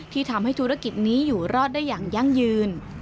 ทำให้ธุรกิจนี้อยู่รอดได้อย่างยั่งยืน